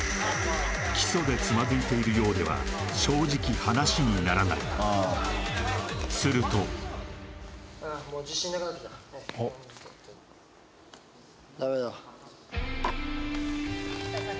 基礎でつまずいているようでは正直話にならないすると向井さん